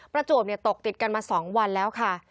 ประจวบตกติดกันมา๒วันแล้วค่ะ